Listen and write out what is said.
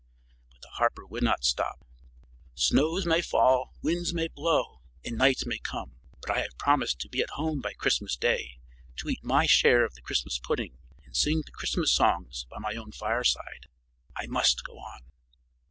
But the harper would not stop. "Snows may fall, winds may blow, and night may come, but I have promised to be at home by Christmas day to eat my share of the Christmas pudding and sing the Christmas songs by my own fireside. I must go on."